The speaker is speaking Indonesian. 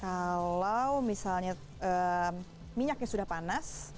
kalau misalnya minyaknya sudah panas